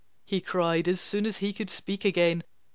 he cried, as soon as he could speak again.